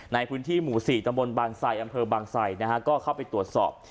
ในพื้นที่หมู่๔ตำบลบางไซอำเภอบางไซนะฮะก็เข้าไปตรวจสอบ